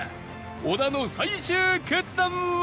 小田の最終決断は？